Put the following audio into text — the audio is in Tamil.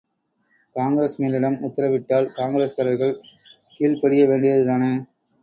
காங்கிரஸ் மேலிடம் உத்தரவிட்டால் காங்கிரஸ்காரர்கள் கீழ்ப்படிய வேண்டியதுதானே?